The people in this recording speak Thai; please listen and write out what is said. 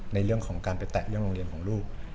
ในเรื่องของการไปแตะเรื่องโรงเรียนของลูก